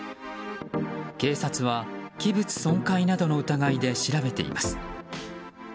警察は、器物損壊などの疑いで調べています。